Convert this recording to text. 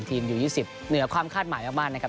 อยู่๒๐เหนือความคาดหมายมากนะครับ